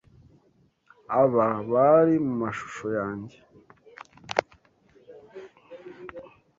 Aba bari mumashusho yanjye.